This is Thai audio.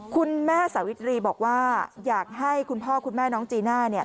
คุณแม่สาวิตรีบอกว่าอยากให้คุณพ่อคุณแม่น้องจีน่าเนี่ย